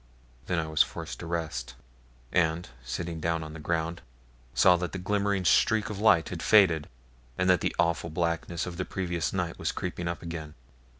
Then I was forced to rest; and, sitting down on the ground, saw that the glimmering streak of light had faded, and that the awful blackness of the previous night was creeping up again.